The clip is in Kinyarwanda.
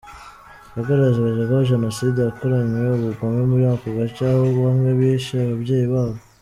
Yagaragaje ko jenoside yakoranywe ubugome muri ako gace, aho bamwe bishe ababyeyi babo .